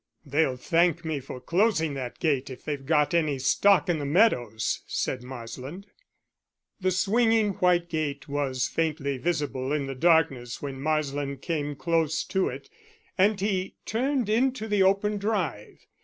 "They'll thank me for closing that gate if they've got any stock in the meadows," said Marsland. The swinging white gate was faintly visible in the darkness when Marsland came close to it, and he turned into the open drive.